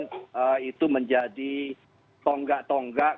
yang memang itu menjadi tonggak tonggak